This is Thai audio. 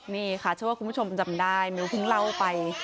นี่ค่ะเชื่อว่าคุณผู้ชมจำได้มิ้วเพิ่งเล่าไป